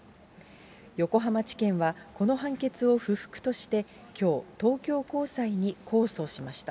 横浜地検は、この判決を不服としてきょう、東京高裁に控訴しました。